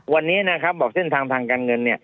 วันนี้นะครับเส้นทางการเงิน